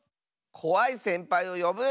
こわいせんぱいをよぶ？